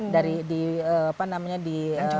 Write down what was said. dari apa namanya di